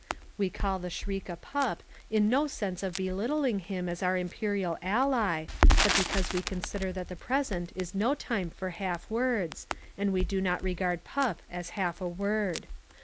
We call the Shriek a pup in no sense of belittling him as our imperial ally but because we consider that the present is no time for half words and we do not regard pup as half a word.